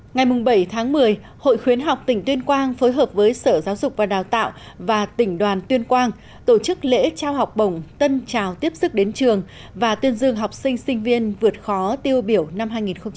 ngày bảy tháng một mươi hội khuyến học tỉnh tuyên quang phối hợp với sở giáo dục và đào tạo và tỉnh đoàn tuyên quang tổ chức lễ trao học bổng tân trào tiếp sức đến trường và tuyên dương học sinh sinh viên vượt khó tiêu biểu năm hai nghìn một mươi chín